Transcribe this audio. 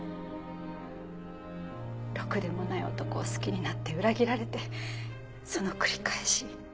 ろくでもない男を好きになって裏切られてその繰り返し。